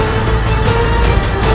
mari mari nusa